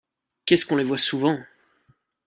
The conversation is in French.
Qu'est-ce qu'on les voit souvent !